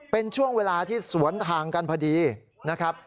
เป็นช่วงเวลาที่สวนทางกันพอดีนะครับ